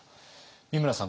美村さん